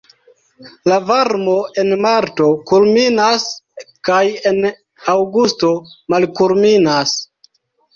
La varmo en marto kulminas kaj en aŭgusto malkulminas.